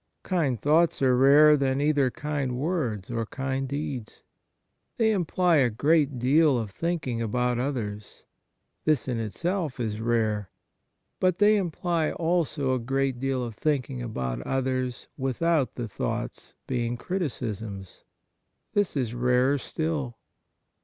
Kind thoughts are rarer than either kind words or kind deeds. They imply a^ great deal of thinking about others. This in itself is rare. But they imply also a great deal of thinking about others without the thoughts being criticisms. This is rarer still.